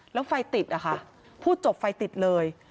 แล้วไฟติดอะค่ะพูดจบไฟติดเลย